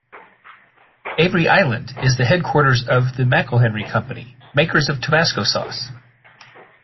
Avery Island is the headquarters of the McIlhenny Company, makers of Tabasco sauce.